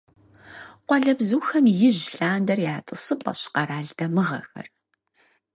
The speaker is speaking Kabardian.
Къуалэбзухэм ижь лъандэрэ я «тӀысыпӀэщ» къэрал дамыгъэхэр.